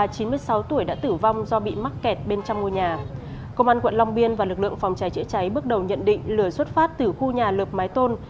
công an quận long biên và lực lượng phòng cháy chữa cháy bước đầu nhận định lửa xuất phát từ khu nhà lợp mái tôn